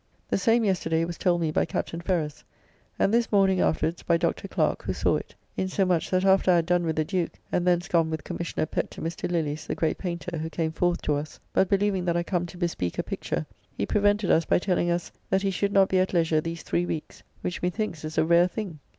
The same yesterday was told me by Captain Ferrers; and this morning afterwards by Dr. Clerke, who saw it. Insomuch that after I had done with the Duke, and thence gone with Commissioner Pett to Mr. Lilly's, the great painter, who came forth to us; but believing that I come to bespeak a picture, he prevented us by telling us, that he should not be at leisure these three weeks; which methinks is a rare thing.